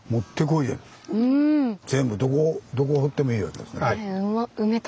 全部どこを掘ってもいいわけですね。